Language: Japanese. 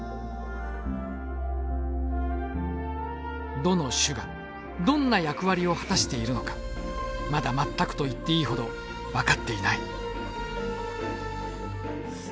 どの種がどんな役割を果たしているのかまだ全くと言っていいほど分かっていない。